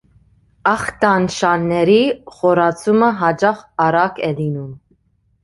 Ախտանշանների խորացումը հաճախ արագ է լինում։